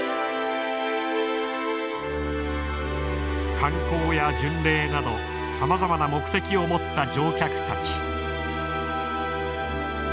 観光や巡礼などさまざまな目的を持った乗客たち。